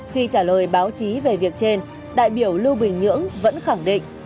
khi trả lời báo chí về việc trên đại biểu lưu bình nhưỡng vẫn khẳng định